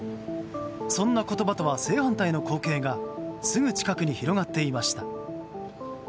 そんな言葉とは正反対の光景がすぐ近くに広がっていました。